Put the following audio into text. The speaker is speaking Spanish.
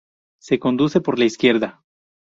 Se conduce por la izquierda.